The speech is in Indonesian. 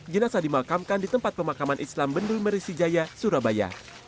jenasa dimakamkan di tempat pemakaman islam bendul merisijaya surabaya